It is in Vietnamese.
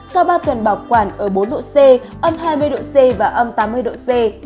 sau ba tuần bảo quản ở bốn độ c âm hai mươi độ c và âm tám mươi độ c